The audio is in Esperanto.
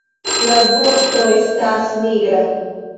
La vosto estas nigra.